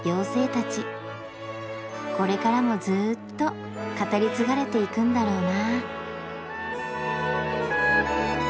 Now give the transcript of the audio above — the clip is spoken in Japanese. これからもずっと語り継がれていくんだろうな。